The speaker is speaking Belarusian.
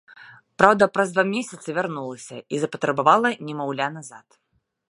Праўда, праз два месяцы вярнулася і запатрабавала немаўля назад.